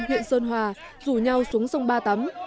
huyện sơn hòa rủ nhau xuống sông ba tắm